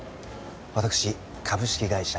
私株式会社